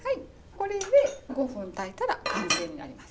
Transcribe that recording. これで５分炊いたら完成になります。